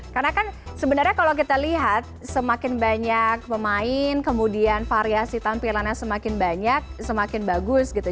karena kan sebenarnya kalau kita lihat semakin banyak pemain kemudian variasi tampilannya semakin banyak semakin bagus gitu